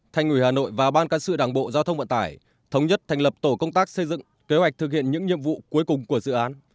thành ủy hà nội và ban cán sự đảng bộ giao thông vận tải thống nhất thành lập tổ công tác xây dựng kế hoạch thực hiện những nhiệm vụ cuối cùng của dự án